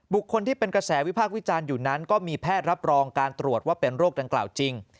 คนที่เป็นกระแสวิพากษ์วิจารณ์อยู่นั้นก็มีแพทย์รับรองการตรวจว่าเป็นโรคดังกล่าวจริง